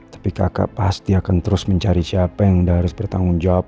tapi kakak pasti akan terus mencari siapa yang harus bertanggung jawab